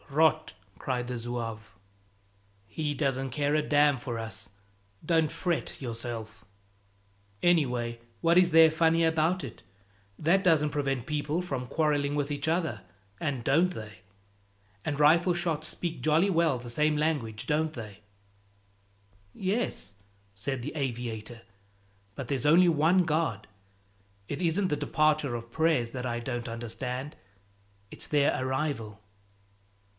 "Rot!" cried the zouave. "He doesn't care a damn for us, don't fret yourself." "Anyway, what is there funny about it? That doesn't prevent people from quarreling with each other and don't they! And rifle shots speak jolly well the same language, don't they?" "Yes," said the aviator, "but there's only one God. It isn't the departure of prayers that I don't understand; it's their arrival."